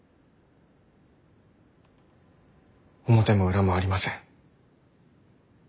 表も裏もありません。